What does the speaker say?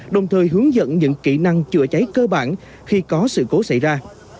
đồng thời hướng dẫn những kỹ năng chữa cháy cơ bản khi có sự cố xảy ra